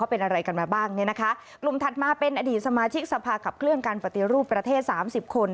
เป็นอะไรกันมาบ้างเนี่ยนะคะกลุ่มถัดมาเป็นอดีตสมาชิกสภาขับเคลื่อนการปฏิรูปประเทศสามสิบคน